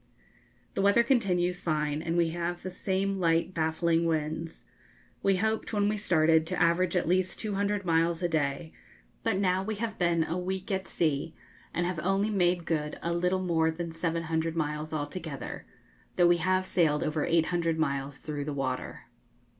The weather continues fine, and we have the same light baffling winds. We hoped, when we started, to average at least 200 miles a day, but now we have been a week at sea, and have only made good a little more than 700 miles altogether, though we have sailed over 800 miles through the water.